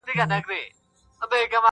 پيشو نه وه يو تور پړانگ وو قهرېدلى،